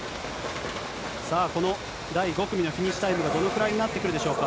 さあ、この第５組のフィニッシュタイムがどのくらいになってくるでしょうか。